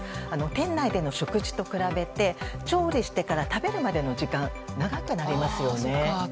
店内での食事と比べて調理してから食べるまでの時間が長くなりますよね。